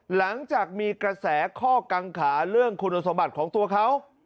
หลังจากมีกระแสข้อกังขาเรื่องคุณสมบัติของตัวเขา